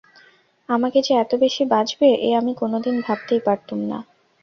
আমাকে যে এত বেশি বাজবে এ আমি কোনোদিন ভাবতেই পারতুম না।